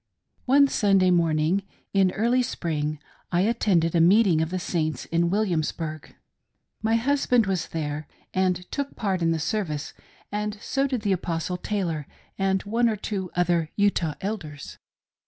ONE Sunday morning in early spring, I attended a meet ing of the Saints in Williamsburgh. My husband was there and took part in the service, and so did the Apostle Taylor, and one or two other Utah Elders.